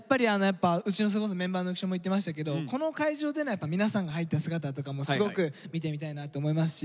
うちのそれこそメンバーの浮所も言ってましたけどこの会場での皆さんが入った姿とかもすごく見てみたいなと思いますし